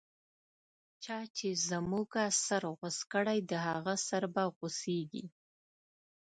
چا چی زموږه سر غوڅ کړی، د هغه سر به غو څیږی